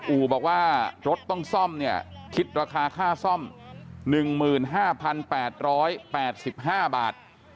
อู่บอกว่ารถต้องซ่อมเนี่ยคิดราคาค่าซ่อม๑๕๘๘๕บาท